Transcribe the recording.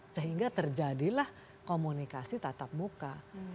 sehingga terjadilah komunikasi tatap muka